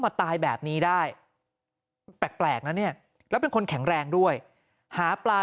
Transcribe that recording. ตายแบบนี้ได้แปลกนะเนี่ยแล้วเป็นคนแข็งแรงด้วยหาปลา